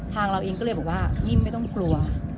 เราเองก็เลยบอกว่านิ่มไม่ต้องกลัว